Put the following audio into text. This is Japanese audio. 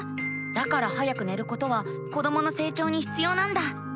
だから早く寝ることは子どもの成長にひつようなんだ。